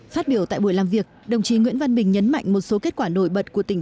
phát biểu tại buổi làm việc đồng chí nguyễn văn bình nhấn mạnh một số kết quả nổi bật của tỉnh